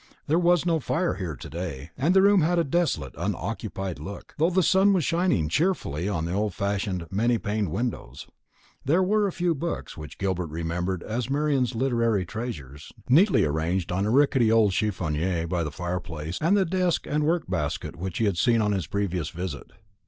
There was no fire here to day, and the room had a desolate unoccupied look, though the sun was shining cheerfully on the old fashioned many paned windows. There were a few books, which Gilbert remembered as Marian's literary treasures, neatly arranged on a rickety old chiffonier by the fire place, and the desk and work basket which he had seen on his previous visit.